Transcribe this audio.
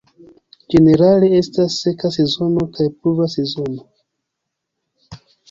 Ĝenerale estas seka sezono kaj pluva sezono.